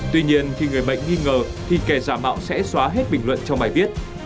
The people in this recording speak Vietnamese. tuy nhiên khi người bệnh nghi ngờ thì kẻ giả mạo sẽ xóa hết bình luận trong bài viết